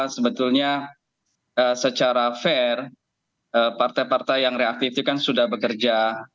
sebetulnya secara fair partai partai yang reaktif itu kan sudah bekerja